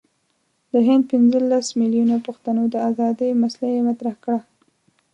د هند پنځه لس میلیونه پښتنو د آزادی مسله یې مطرح کړه.